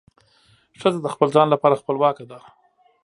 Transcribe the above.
ښځه د خپل ځان لپاره خپلواکه ده.